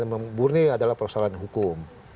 membunyi adalah persoalan hukum